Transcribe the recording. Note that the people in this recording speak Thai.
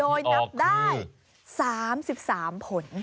โดยนับได้๓๓ผล